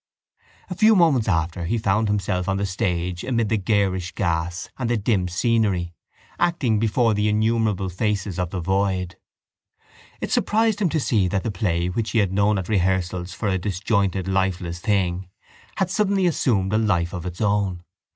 A few moments after he found himself on the stage amid the garish gas and the dim scenery, acting before the innumerable faces of the void. It surprised him to see that the play which he had known at rehearsals for a disjointed lifeless thing had suddenly assumed a life of its own.